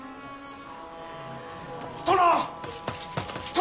殿！